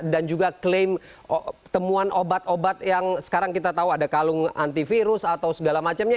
dan juga klaim temuan obat obat yang sekarang kita tahu ada kalung antivirus atau segala macamnya